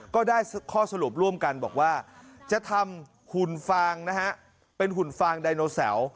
ก็ได้ข้อสรุปร่วมกันบอกว่าจะทำหุ่นฟางนะฮะเป็นหุ่นฟางไดโนเสาร์